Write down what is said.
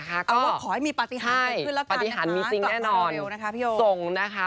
ถ้าว่าขอให้มีปฏิหารเติบขึ้นแล้วกันนะคะ